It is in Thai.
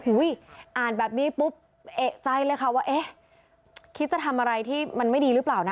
อ่านแบบนี้ปุ๊บเอกใจเลยค่ะว่าเอ๊ะคิดจะทำอะไรที่มันไม่ดีหรือเปล่านะ